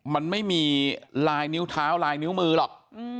มันไม่มีลายนิ้วเท้าลายนิ้วมือหรอก